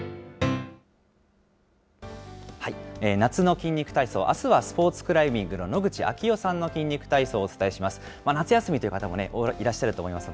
夏の筋肉体操、あすはスポーツクライミングの野口啓代さんの筋肉体操をお伝えします。